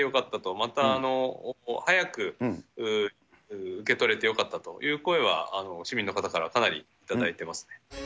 また、早く受け取れてよかったという声は、市民の方からかなりいただいてますね。